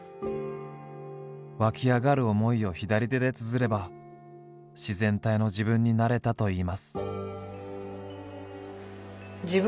湧き上がる思いを左手でつづれば自然体の自分になれたといいます。